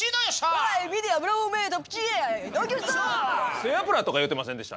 背脂とか言うてませんでした？